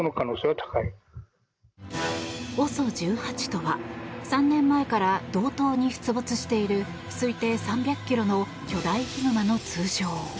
ＯＳＯ１８とは３年前から道東に出没している推定３００ｋｇの巨大ヒグマの通称。